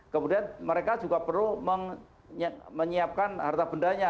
kemudian mereka juga perlu menyiapkan harta bendanya